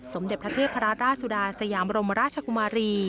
สมเด็จพระเทพราชสุดาสยามรมราชกุมารี